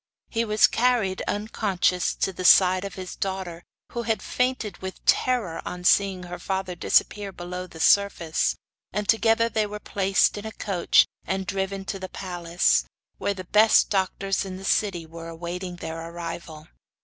He was carried, unconscious, to the side of his daughter, who had fainted with terror on seeing her father disappear below the surface, and together they were place in a coach and driven to the palace, where the best doctors in the city were awaiting their arrival.